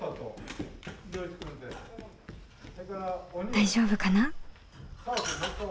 大丈夫かな？